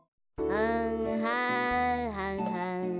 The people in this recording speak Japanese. はんはんはんはんはん。